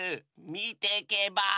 みてけばあ？